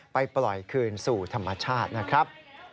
ไปปล่อยคืนสู่ธรรมชาตินะครับ